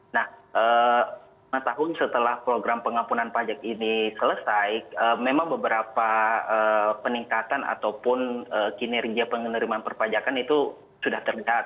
nah setelah program pengampunan pajak ini selesai memang beberapa peningkatan ataupun kinerja pengenerman perpajakan itu sudah terdekat